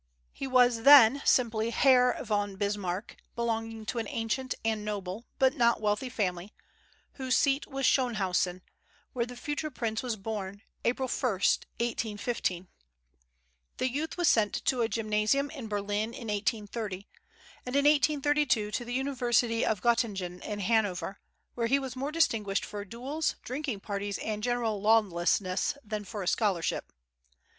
He was then simply Herr von Bismarck, belonging to an ancient and noble but not wealthy family, whose seat was Schönhausen, where the future prince was born, April 1, 1815. The youth was sent to a gymnasium in Berlin in 1830, and in 1832 to the university of Göttingen in Hanover, where he was more distinguished for duels, drinking parties, and general lawlessness than for scholarship.